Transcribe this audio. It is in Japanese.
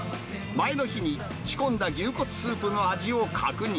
前の日に仕込んだ牛骨スープの味を確認。